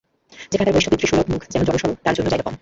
সেখানে তাঁর বলিষ্ঠ পিতৃসুলভ মুখ যেন জড়সড়, তাঁর জন্য জায়গা কম।